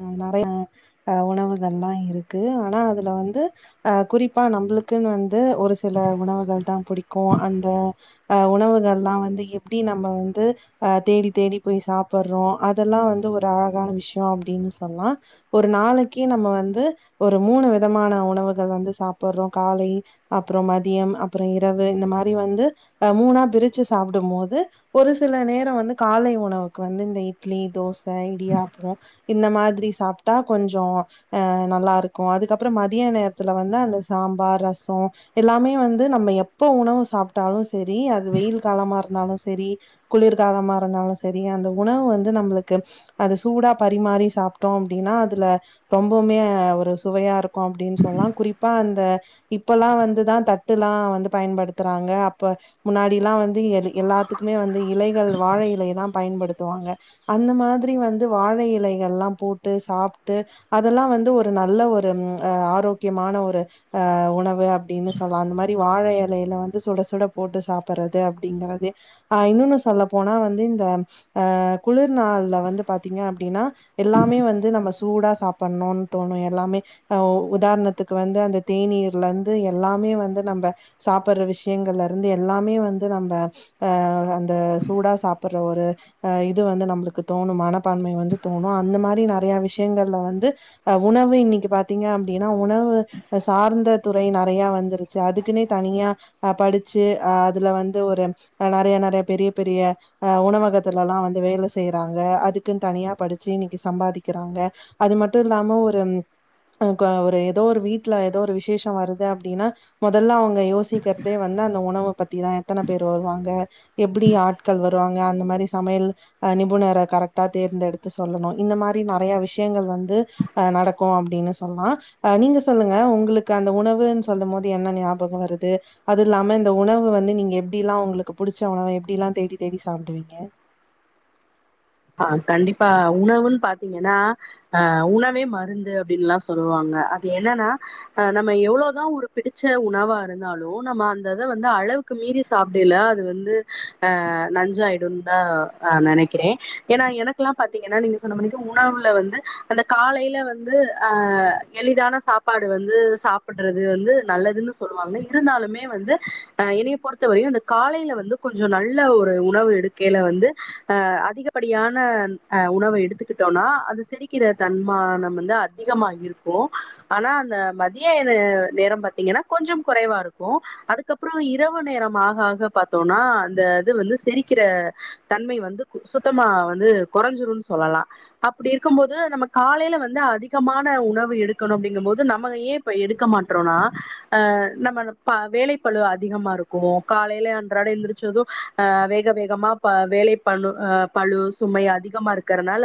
அ நெறைய அ உணவுகள்லா இருக்கு ஆனா அதுல வந்து அ குறிப்பா நம்புளுக்குனு வந்து ஒரு சில உணவுகள்தாம் புடிக்கு அந்த அ உணவுகள்லா வந்து எப்டி நம்ம வந்து அ தேடி தேடி போய் சாப்பர்றோ அதெல்லா வந்து ஒரு அழகான விஷ்யோ அப்டின் சொல்லா ஒரு நாளைக்கே நம்ம வந்து ஒரு மூனு விதமான உணவுகள் வந்து சாப்பர்றோ காலை அப்றம் மதியம் அப்றோ இரவு இந்த மாரி வந்து அ மூனாப் பிரிச்சு சாப்டும்மோது ஒரு சில நேரோ வந்து காலை உணவுக்கு வந்து இந்த இட்லி தோசை இடியாப்போ இந்த மாதிரி சாப்ட்டா கொஞ்சோ அ நல்லாருக்கு அதுக்கப்றோ மதிய நேரத்துல வந்து அந்த சாம்பார் ரசோ எல்லாமே வந்து நம்ம எப்ப உணவு சாப்ட்டாலு செரி அது வெயில் காலமாரு ந்தாலும் செரி குளிர்காலமா இருந்தாலு செரி அந்த உணவு வந்து நம்ளுக்கு அது சூடாப் பர் ரி மாரி சாப்ட்டோ அப்டினா அதுல ரொம்பவுமே ஒரு சுவையாருக் கு அப்டின் சொல்லா குறிப்பா அந்த இப்பல்லா வந்துதாந் தட்டுலா வந்துப் பயன்படுத்தறாங்க அப்ப முன்னாடிலா வந்து எலு எல்லாத்துக்குமே வந்து இலைகள் வாழை இலையதாம் பயன்படுத்துவாங்க அந்த மாதிரி வந்து வாழை இலைகள்லாம் போட்டு சாப்ட்டு அதெல்லா வந்து ஒரு நல்ல ஒரு ம் அ ஆரோக்யமான ஒரு அ உணவு அப்டின்னு சொல்லா அந்த மாதிரி வாழை எலைல வந்து சுட சுட போட்டு சாப்பறது அப்டிங்கறதே அ இன்னொனு சொல்லப் போனா வந்து இந்த அ குளிர்நாள்ல வந்து பாத்தீங்க அப்டினா எல்லாமே வந்து நம்ம சூடா சாப்பன்னுன் தோணு எல்லாமே அ உதார்ணத்துக்கு வந்து அந்த தேநீர்லந்து எல்லாமே வந்து நம்ப சாப்பர்ற விஷ்யங்கள்லருந்து எல்லாமே வந்து நம்ப அ இந்த சூடா சாப்பிர்ற ஒரு அ இது வந்து நம்ளுக்கு தோணு மனப்பான்மை வந்து தோணு அந்த மாரி நெறைய விஷ்யங்கள்ல வந்து அ உணவு இன்னைக்கி பாத்தீங்க அப்டினா உணவு அ சார்ந்த துறை நெறையா வந்துருச்சு அதுக்குனே தனியா அ படிச்சு அ அதுல வந்து ஒரு அ நெறைய நெறைய பெரியப் பெரிய அ உணவகத்துலலா வந்து வேல செய்யறாங்க அதுக்குன் தனியா படுச் இன்னிக்கி சம்பாதிக்கிறாங்க அது மட்டு இல்லாம ஒரு அ குவெ ஒரு எதோ ஒரு வீட்ல எதோ ஒரு விசேஷோ வருது அப்டினா மொதல்ல அவுங்க யோசிக்கிற்தே வந்து அந்த உணவப் பத்திதா எத்தனப் பேர் வருவாங்க எப்டி ஆட்கள் வருவாங்க அந்த மாரி சமையல் அ நிபுணர கரெக்ட்டா தேர்ந்தெடுத் து சொல்லணு இந்த மாரி நெறைய விஷ்யங்கள் வந்து அ நடக்கு அப்டினு சொல்லா அ நீங்க சொல்லுங்க உங்குளுக்கு அந்த உணவுன் சொல்லும்மோது என்ன ஞாபகோ வருது அது இல்லாம இந்த உணவு வந்து நீங்க எப்டியிலா உங்ளுக்கு புடிச்ச உணவு எப்டிலாந் தேடித் தேடி சாப்டுவீங்க ஆ கண்டிப்பா உணவுன் பாத்தீங்கனா அ உணவே மருந்து அப்படின்ல்லா சொல்லுவாங்க அது என்னன்னா அ நம்ம எவ்ளோதா ஒரு பிடிச்ச உணவா இருந்தாலு நம்ம அந்தத வந்து அளவுக் கு மீறி சாப்பிடைல அது வந்து அ நஞ்சாயிடுதா நெனைக்கிறே ஏன்னா எனக்குல்லா பாத்தீங்கன்னா நீங்க சொன்ன மணிக்கு உணவுல வந்து அந்த காலையில வந்து ஆ எளிதான சாப்பாடு வந்து சாப்பட்றது வந்து நல்லதுன் சொல்லுவாங்க இருந்தாலுமே வந்து என்னிய பொறுத்த வரையு இந்த காலையில வந்து கொஞ்சோ நல்ல ஒரு உணவு எடுக்கையில வந்து அ அதிக படியான அ உணவு எடுத்துக்கிட்டோனா அது செரிக்கிற தன்மானம் வந்து அதிகமா இருக்கு ஆனா அந்த மதிய நேரம் பாத்தீங்கன்னா கொஞ்சம் குறைவா இருக்கு அதுக்கு அப்பறோ இரவு நேரம் ஆக ஆக பாத்தோம்னா அந்த அது வந்து செரிக்கிற தன்மை வந்து சுத் தமா வந்து கொறஞ்சிடும்ன் சொல்லலா அப்பிடி இருக்கும்போது நம்ம காலையில வந்து அதிகமான உணவு எடுக்கணு அப்டியின்னு போது நம்ம ஏ இப்ப எடுக்க மாட்றோனா ஆ நம்ம ப வேலைப்பளு அதிகமா இருக்கு காலையில அன்றாட எழுந்திரிச்சதும் அ வேக வேகமா பா வேலை பண்ணு அ பளு சுமை அதிகமா இருக்கிறனால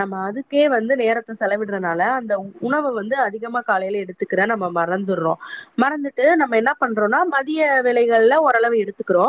நம்ம அதுக்கே வந்து நேரத்த செலவிட்றனால அந்த உணவ வந்து அதிகமா காலையில எடுத்துக்கிற நம்ம மறந்துறோ மறந்துட்டு நம்ம என்னப் பண்றோனா மதிய வேலைகள்ல ஓரளவு எடுத்துக்குறோ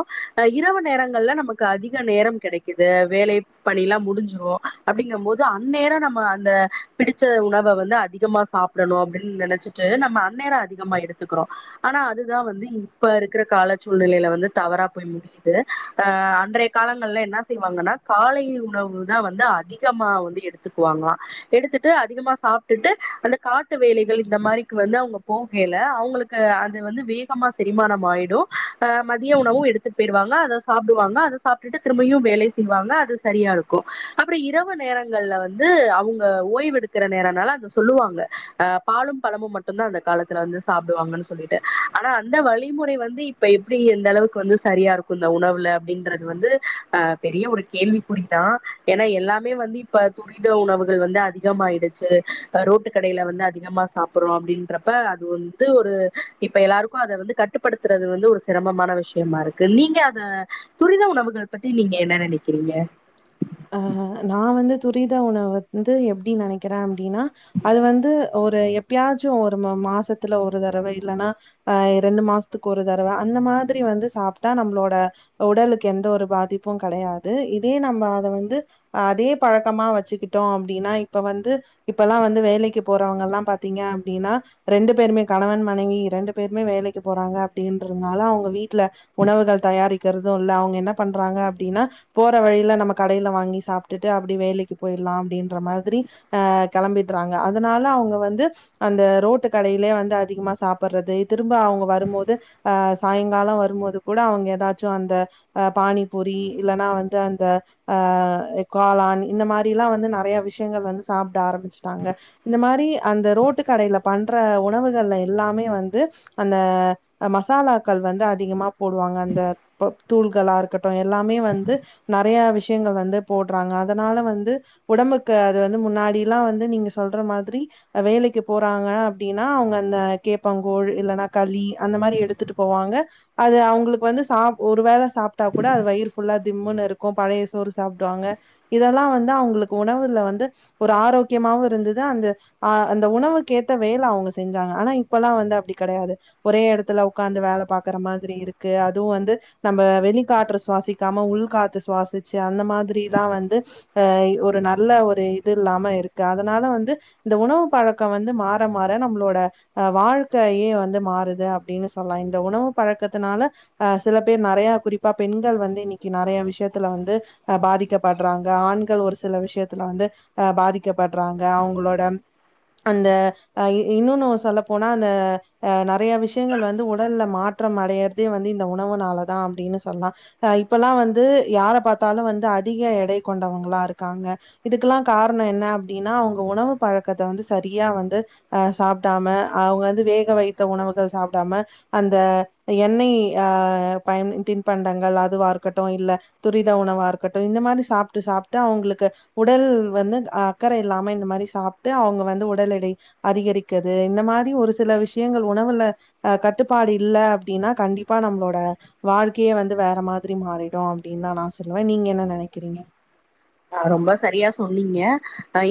இரவு நேரங்கள்ல நமக்கு அதிக நேரம் கெடைக் குது வேலைப் பணில்லா முடிஞ்சிரு அப்டிங்கும் போது அந்நேரம் நம்ம அந்த பிடிச்ச உணவ வந்து அதிகமா சாப் டணு அப்டின் நெனைச்சிட்டு நம்ம அன்னேரோ அதிகமா எடுத்துக்குறோ ஆனா அதுதா வந்து இப்ப இருக்கிற கால சூழ்நிலையில வந்து தவறா போய் முடி யுது ஆ அன்றைய காலங்கள்ல என்ன செய்வாங்கன்னா காலை உணவுதா வந்து அதிகமா வந்து எடுத்துக்குவாங்ளா எடுத்துட்டு அதிகமா சாப்டுட்டு அந்த காட்டு வேலைகள் இந்த மாரிக்கு வந்து அவங்க போகையல அவுங்களுக் கு அது வந்து வேகமா செரிமானமாயிடு அ மதிய உணவும் எடுத்துட் போயிருவாங்க அத சாப்டுவாங்க அத சாப் டுட்டு திரும்பையு வேலை செய்வாங்க அது சரியா இருக்கு அப்பறோ இரவு நேரங்கள்ல வந்து அவங்க ஓய்வெடுக் கிற நேரம்னால அத சொல்லுவாங்க அ பாலும் பழமும் மட்டும்தா அந்த காலத்துல வந்து சாப்பிடுவாங்கன் சொல்லி ட்டு ஆனா அந்த வழிமுறை வந்து இப்ப எப்டி எந்த அளவுக்கு வந்து சரியா இருக்கு இந்த உணவுல அப்டின்றது வந்து ஆ பெரிய ஒரு கேள்வி கூறிதா ஏன்னா எல்லாமே வந்து இப்ப து ரித உணவுகள் வந்து அதிகமாயிடுச்சு ரோட்டு கடையில வந்து அதிகமா சாப்பறோ அப்டின்றப்ப அது வந் து ஒரு இப்ப எல்லாருக்கு அத வந்து கட்டுப்படுத்தறது வந்து ஒரு சிரமமான விஷயமா இருக்கு நீங்க அத துரித உணவுகள் பத்தி நீங்க என்ன நெனைக்கிறீங்க ஆ நா வந்து துரித உணவ ந்து எப்டி நெனைக்கிறே அப்டின்னா அது வந்து ஒரு எப்யாச்சு ஒரு மா மாசத்துல ஒரு தடவ இல்லன்னா அ ரெண்டு மாசத்துக்கு ஒரு தறவ அந்த மாதிரி வந்து சாப்டா நம்ளோட உடலுக்கு எந்த ஒரு பாதிப்பு கெடையாது இதே நம்ம அத வந்து அதே பழக்கமா வச்சுக்கிட்டோ அப்டின்னா இப்ப வந்து இப்பல்லா வந்து வேலைக்கு போறவங்கல்லா பாத்தீங்க அப்டின்னா ரெண்டு பேருமே கணவன் மனைவி ரெண்டு பேருமே வேலைக்கு போறாங்க அப்டின்றதுனால அவங்க வீட்ல உணவுகள் தயாரிக்கிறது இல்ல அவங்க என்ன பண்றாங்க அப்டின்னா போற வழியில நம்ம கடையில வாங்கி சாப்டுட்டு அப்டி வேலைக்கு போயிலா அப்டின்ற மாதிரி அ கெளம்பிட்றாங்க அதனால அவங்க வந்து அந்த ரோட்டு கடையிலே வந்து அதிகமா சாப்பறது திரும்ப அவங்க வரும்மோது அஹ் சாயங்கால வருபோது கூட அவங்க ஏதாச்சு அந்த அஹ் பானிபூரி இல்லன்னா வந்து அந்த அஹ் காளான் இந்த மாதிரி எல்லா வந்து நிறைய விஷயங்கள் வந்து சாப்பிட ஆரம்பிச்சுட்டாங்க இந்த மாரி அந்த ரோட்டு கடையில பண்ற உணவுகள்ல எல்லாமே வந்து அந்த மசாலாக்கள் வந்து அதிகமா போடுவாங்க அந்த ப்ப தூள்களா இருக்கட்டு எல்லாமே வந்து வந்து நெறைய விஷயங்கள் வந்து போடுறாங்க அதனால வந்து உடம்புக்கு அது வந்து முன்னாடி எல்லா வந்து நீங்க சொல்ற மாரி வேலக்கு போறாங்க அப்டின்னா அவங்க அந்த கேப்பங்கோழ் இல்லேன்னா களி அந்த மாரி எடுத்துட்டு போவாங்க அது அவங்களுக்கு வந்து சா ஒரு வேள சாப்பிட்டா கூட அது வயிறு ஃபுல்லா திம்முன்னு இருக்கு பழைய சோறு சாப்பிடுவாங்க இதெல்லா வந்து அவங்களுக்கு உணவுல வந்து ஒரு ஆரோக்கியமாவு இருந்தது அந்த அஹ் அந்த உணவுக்கு ஏத்த வேல அவங்க செஞ்சாங்க ஆனா இப்பல்லா வந்து அப்படி கெடையாது ஒரே இடத்துல உட்காந்து வேலை பாக்குற மாரி இருக்கு அதுவு வந்து நம்ம வெளிக்காற்று சுவாசிக்க நம்ம உள்காத்து சுவாசிச்சு அந்த மாரிலா வந்து அ ஒரு நல்ல ஒரு இது இல்லாம இருக்கு அதனால வந்து இந்த உணவு பழக்க வந்து மாற மாற நம்மளோட அ வாழ்க்கையே வந்து மாறுது அப்டின்னு சொல்லலா இந்த உணவு பழக்கத்தனால ஆ சில பேர் நெறைய குறிப்பா பெண்கள் வந்து இன்னேக்கு நெறைய விஷயத்துல வந்து பாதிக்கப்படுறாங்க ஆண்கள் ஒரு சில விஷயத்துல வந்து அ பாதிக்கப்படுறாங்க அவங்களோட அந்த இன்னொன்னு சொல்லப்போனா அந்த நெறைய விஷயங்கள் வந்து உடல் மாத் மாற்றடையறதே வந்து இந்த உணவுனாலதா அப்டின்னு சொல்லால இப்ல்லா வந்து யார பாத்தாலு வந்து அதிக எடை கொண்டவங்களா இருக்காங்க இதுக்கெல்லா காரண என்ன அப்டின்னா அவங்க உணவு பழக்கத்த வந்து சரியா வந்து அ சாப்டாம அவங்க வந்து வேக வைத்த உணவுகள் சாப்டாம அந்த எண்ணெய் ஆ பன் தின்பண்டங்கள் அதுவ இரு ட்டும் இல்ல துரித உணவா இருக்கட்டு இந்த மாரி சாப்ட்டு சாப்ட்டு அவங்களுக்கு உடல் வந்து அக்கற இல்லாம இந்த மாரி சாப்பிட்டு அவங்க வந்து உடல் எடை அதிகரிக்கது இந்த மாரி ஒரு சில விஷயங்க உணவுல அ கட்டுப்பாடு இல் அப்டின்னா கண்டிப்பா நம்மளோட வாழ்க்கயே வந்து வேற மாரி த்திரி மாறிடு அப்டின்னு தா நா சொல்லுவே நீங்க என்ன நேனக்கிறீங்க ஆ ரொம்ப சரியா சொன்னீங்க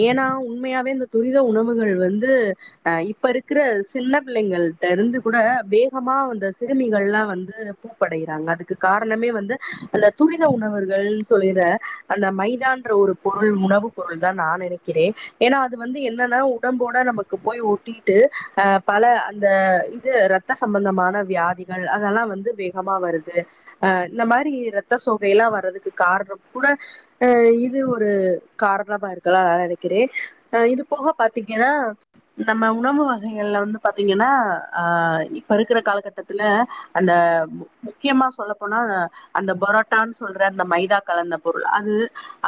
ஏன்னா உண்மையாவே இந்த துரித உணவுகள் வந்து அ இப்ப இருக்கிற சின்ன பிள்ளைங்களிட்ட இருந்து கூட வேகமா வந்த சிறுமிகள் எலா வந்து பூ படைறாங்க அதுக்கு காரணமே வந்து அந்த துரித உணவர்கள்னு சொல்லிற அந்த மைத மைத என்ற ஒரு பொருள் உணவு பொருள் தா நா நினைக்கிறே ஏன்னா அது வந்து என்னன்னா உடம்போட நமக்கு போய் ஓட்டிட்டு அ பல அந்த இது இரத் இரத்த சம்பந்தமான வியாதிகள் அதெல்லா வந்து வேகமா வருது அ இந்த மாரி இரத்த சோகை எல்லா வர்றதுக்கு காரண கூட அ இது ஒரு காரணமா இருக்கல்லா நா நினைக்கிறே அஹ் இது போக பாத்தீங்கன்னா நம்ம உணவு வகைகள்ல வந்து பாத்தீங்கன்னா அ இப்ப இருக்கிற காலகட்டத்துல அந்த முக்கியமா சொல்லப்போனா அந்த பொரோட்டான்னு சொல்ற அந்த மைதா கலந்த பொருள் அது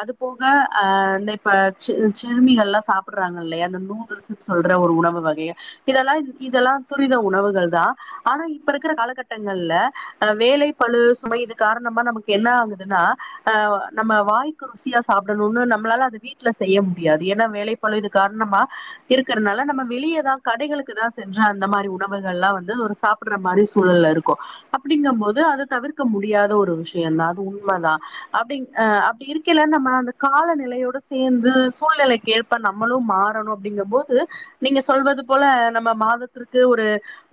அது போக அ இந்த இப்ப சிறி சிறுமிகள் எல்ல சாப்பிடுறாங்க இல்லயா அந்த நூடுல்ஸ் சொல்ற ஒரு உணவு வகைய இதெல்லா இதெல்லா துரித உணவுகள் தா ஆனா இப்ப ருக்குற காலகட்டங்கள்ல அ வேலை பழு சுமை இது காரணமா நமக்கு என்ன ஆகுதுன்னா அ நம்ம வாய் ருசியா சாப்புடணுனு நம்மளால அது வீட்ல செய்ய முடியாது ஏன்னா வேலை பழு இது கார்ணமா இருக்குறதுனால நம்ம வெளியேதா கடைகளுக்கு தா சென்று அந்த மாரி உணவுகள் ல்லா வந்து ஒரு சாப் புட்ற மாரி சூழ்நில இருக்கொ அப்டிங்கு போது அத தவிர்க்க முடியாத ஒரு விஷயம் தா அது உண்மதா அப்டி அ அப்டி இரு இருக்கெல நம்ம அந்த காலநிலையோடு சேந்து சூழ்நிலைக்கு ஏற்ப நம்மளு மாறணு அப்டிங்கும் போது நீங்க சொல்வது போல நம்ம மாதத்திற்கு ஒரு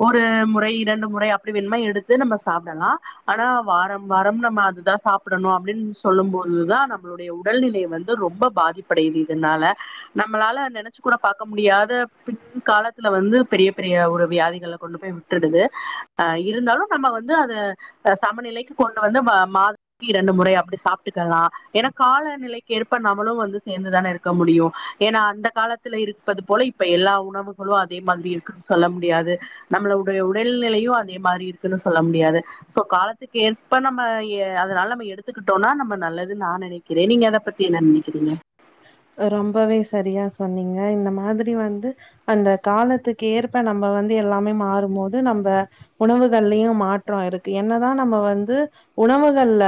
ஒரு முறை ரெண்டு முறை அப்டி வேணுமா எடுத்து நம்ம சாப்டலா ஆனா வாரம் வாரம் நம்ம அதுதா சாப்புடணு அப்டின்னு சொல்லும்போதுதா நம்ம நம்மளுடைய உடல்நிலை வந்து ரொம்ப பாதிப்படையுது இதனால நம்மளால நெனச்சு கூட பாக்க முடியாத பின் காலத்துல வந்து பெரிய பெரிய ஒரு வியாதிகள கொண்டு போய் விட்டுடுது அ இருந்தாலு நம்ம வந்து அத சமநிலைக்கு கொண்டு வந்து மாதத்திற்கு இரண்டு முறை அப்டி சாப்ட்டுக்கலா ஏனா காலநிலைக்கு ஏற்ப நம்மளு வந்து சேந்துதான இருக்க முடியு ஏன்னா அந்த காலத்துல இருப்பது போல இப்ப எல்லா உணவுகளு அதே மாத்ரி இருக்குன்னு சொல்ல முடியாது நம்மளோட உடல் நிலையு அதே மாரி இருக்குன்னு சொல்ல முடியாது சோ காலத்துக்கு ஏற்ப நம்ம அதனால நம்ம எடுத்துக்கிட்டோன்னா நம்ம நல்லதுன்னு நா நெனக் இதை நீங்க அத பத்தி என்ன நெனக்கிறீங்க ரொம்பவே சரியா சொன்னீங்க இந்த மாதிரி வந்து அந்த காலத்துக்கு ஏற்ப நம்ம வந்து எல்லாமே மாறும்போது நம்ப உணவுகள்லயு மாற்றொ இருக்கு என்னதா நம்ம வந்து உணவுகள்ல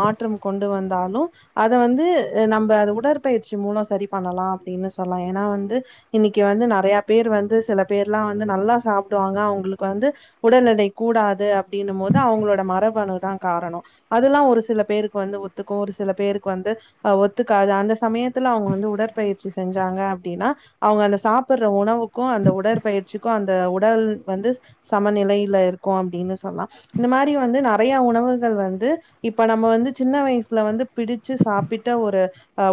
மாற்றம் கொண்டு வந்தாலு அத வந்து நம்ம அத உட பயிற்சி மூலோ சரி பண்ணலா அப்டின்னு சொல்லலா ஏன்னா வந்து இன்னக்கி வந்து நெறைய பேர் வந்து சில பேர்லா வந்து நல்லா சாப்புடுவாங்க அவங்களுக்கு வந்து உடல் எடை கூடாது அப்டின்னும் போது அவங்களோட மரபணுதா காரணொ அதெல்லா ஒரு சில பேருக்கு வந்து ஒத்துக்கு ஒரு சில பேருக்கு வந்து அ ஒத்துக்காது அந்த சமயத்துல அவங்க வந்து உடற்பயிற்சி செஞ்சாங்க அப்டின்னா அவங்க அந்த சாப்புட்ற உணவுக்கு அந்த உடற்பயிற்சிக்கு அந்த உடல் வந்து சமநிலையில இருக்கு அப்டின்னு சொல்லா இந்த மாதிரி வந்து நெறைய உணவுகள் வந்து இப்ப நம்ம வந்து சின்ன வயசுல வந்து பிடிச்சு சாப்பிட்ட ஒரு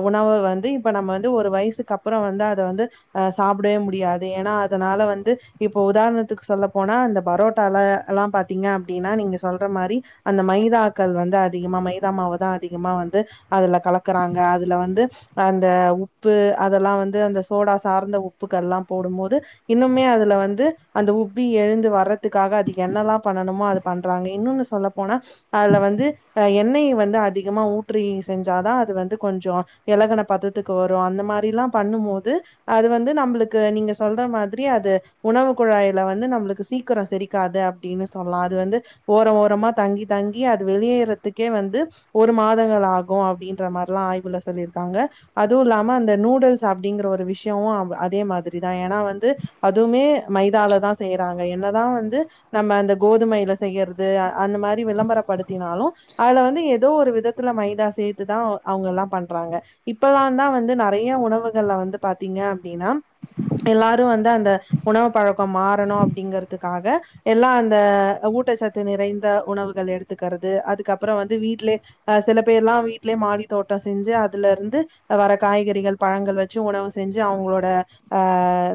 உணவ வந்து இப்போ நம்ம வந்து ஒரு வயசுக்கு அப்றொ வந்து அத வந்து ஆ சாப்டவே முடியாது ஏன்னா அதனால வந்து இப்போ உதாரணத்துக்கு சொல்ல போனா இந்த புரோட்டால எல்லா பாத்த ங்க அப்டின்னா நீங்க சொல்ற மாரி அந்த மைதாக்கள் வந்து அதிகமா மைதா மாவ தா அதிகமா வந்து அதுல கலக்குறாங்க அது வந்து அந்த உப்பு அதெல்லா வந்து அந்த சோடா சார்ந்த உப்புகல்லா போடும்போது இன்னுமே அதுல வந்து அந்த உப்பி எழுந்து வர்றதுக்காக அதுக்கு என்னெல்லாம் பண்ணணுமோ அது பண்றாங்க இன்னோன்னு சொல்ல போனா அதுல வந்து எண்ணெய வந்து அதிகமா ஊற்றி செஞ்சாதா அது வந்து கொஞ்ச எலகன பதத்துக்கு வரு அந்த மாரி ல்லா பண்ணும் போது அது வந்து நம்மளுக்கு நீங்க சொல்ற மாத்ரி அது உணவு குழாய்ல வந்து நம்மளுக்கு சீக்கிரொ செரிக்காது அப்டின்னு சொல்லலா அது வந்து ஓர ஓரமா தங்கி தங்கி அது வெளியேற்துக்கே வந்து ஒரு மாதங்கள் ஆகு அப்டின்ற மாரில்லா ஆய்வுல சொல்லியிருக்காங்க அதுவு ல்லாம அந்த நூடுல்ஸ் அப்டிங்கற ஒரு விஷயொ அதே மாதிரிதா ஏன்னா வந்து அதுமே மைதாலதா செய்றாங்க என்னதா வந்து நம்ம அந்த கோதுமையில செய்ய து அந்த மாரி விளம்பர படுத்தினாலு அதுல வந்து ஏதோ ஒரு விதத்துல மைதா சேத்துதா அவங்க எல்லா பண் றாங்க இப்பல்லாதா வந்து நறைய உணவுகள்ல வந்து பாத்தீங்க அப்டின்னா எல்லாரு வந்து அந்த உணவு பழக்க மாறணு அப்டிங்கறதுக்காக எல்லா அந்த ஊட்டச்சத்து நிறைந்த உணவுகள் எடுத்துக்குறது அதுக்கப்புறோ வந்து வீட்லே ஆ சில பேர்ல்லா வீட்டுலயே மாடி தோட்ட செஞ்சு அதுல இருந்து வர்ற காய்கறிகள் பழங்கள் வெச்சு உணவு செஞ்சு அவுங்களோட ஆ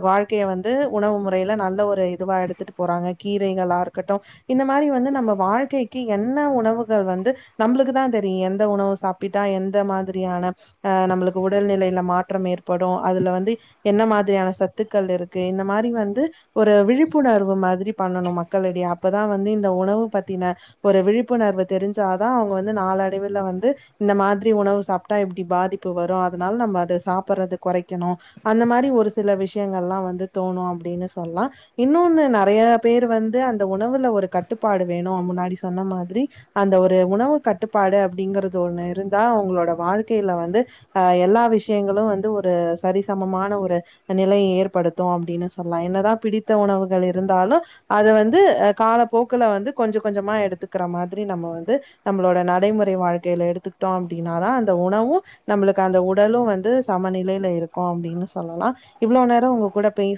வாழ்க்கைய வந்து உணவு முறையில நல்ல ஒரு இதுவா எடுத்துட்டு போறாங்க கீரைகளா இருக்கட்டு இந்த மாரி வந்து நம்ம வாழ்க்கைக்கு என்ன உணவுகள் வந்து நம்ளுக்கு தா தெரியு எந்த உணவு சாப் பிட்டா எந்த மாதிரியான ஆ நம்மளுக்கு உடல் நிலையில மாற்றம் ஏற்படு அதுல வந்து என்ன மாதிரியான சத்துக்கள் இருக்கு இந்த மாரி வந்து ஒரு விழிப்புணர்வு மாதிரி பண்ணணு மக் களிடே அப்பதா வந்து இந்த உணவு பத்தின ஒரு விழிப்புணர்வு தெரிஞ்சாதா அவங்க வந்து நாலு அடைவுல வந்து இந்த மாதிரி உணவு சாப் ட்டா இப்டி பாதிப்பு வரு அதனால் நம்ம அத சாப்புட்றது குறைக்கணு அந்த மாரி ஒரு சில விஷயங்கள்ல்லா வந்து தோணு அப்டின்னு சொல்லா இன்னொன்னு நறைய பேர் வந்து அந்த உணவுல ஒரு கட்டுப்பாடு வேணு முன்னாடி சொன்ன மாதிரி அந்த ஒரு உணவு கட்டுப்பாடு அப்டிங்கறத ஒன்னு இருந்தா அவங்களோட வாழ்க்கையில வந்து ஆ எல்லா விஷயங்களு வந்து ஒரு சரிசமமான ஒரு நிலைய ஏற்படுத்து அப்டின்னு சொல்லா என்னதா பிடித்த உணவுகள் இருந்தாலு அது வந்து அ காலப்போக்குல வந்து கொஞ்ச கொஞ்சமா எடுத்துக்குற மாதிரி நம்ம வந்து நம்மளோட நடைமுறை வாழ்க்கையில எடுத்துக்கிட்டோ அப்டின்னாதா உணவு நம்மளுக்கு அந்த உடலு வந்து சமநிலையில இருக்கு அப்டின்னு சொல்லலா இவ்ளோ நேரோ உங்க கூட பேச்